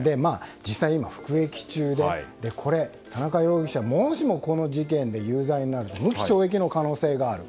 実際、服役中で、田中容疑者もしもこの事件で有罪になると無期懲役の可能性がある。